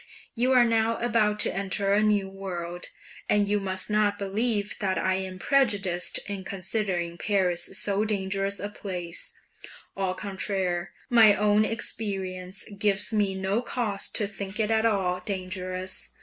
You are now about to enter a new world, and you must not believe that I am prejudiced in considering Paris so dangerous a place; au contraire, my own experience gives me no cause to think it at all dangerous.